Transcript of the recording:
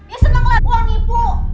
ya seneng lah uang ibu